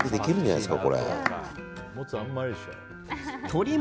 いいですか。